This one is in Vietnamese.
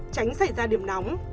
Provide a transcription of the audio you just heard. tránh xảy ra điểm nóng